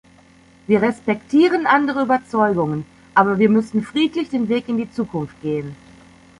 Wir respektieren andere Überzeugungen, aber wir müssen friedlich den Weg in die Zukunft gehen.